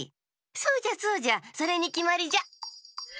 そうじゃそうじゃそれにきまりじゃ。